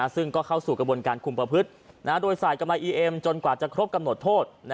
ซึ่งก็เข้าสู่กระบวนการคุมประพฤติโดยใส่กำไรอีเอ็มจนกว่าจะครบกำหนดโทษ